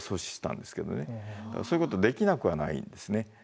だからそういうことできなくはないんですね。